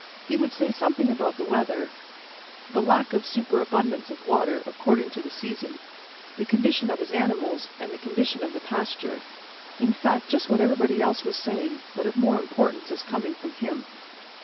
He would say something about the weather, the lack or superabundance of water, according to the season, the condition of his animals and the condition of the pasture in fact, just what everybody else was saying but of more importance as coming from him.